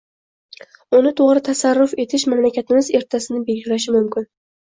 Uni to‘g‘ri tasarruf etish mamlakatimiz ertasini belgilashi mumkin.